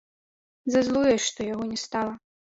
Зазлуе, што яго не стала.